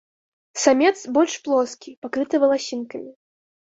Самец больш плоскі, пакрыты валасінкамі.